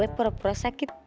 gue pura pura sakit